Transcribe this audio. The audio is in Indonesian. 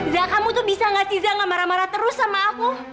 za kamu tuh bisa gak sih za ngemarah marah terus sama aku